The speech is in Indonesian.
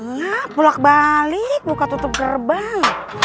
ya pulak balik buka tutup gerbang